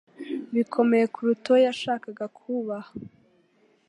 bikomeye kuruta uwo yashakaga kubaha